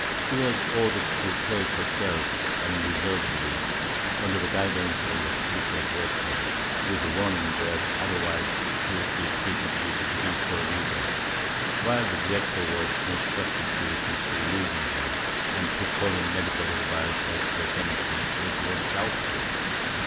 She was ordered to place herself unreservedly under the guidance of a spiritual director, with the warning that otherwise she would be treated with judicial rigor, while the director was instructed to disillusion her, and to call in medical advice as to her sanity, which was doubtful.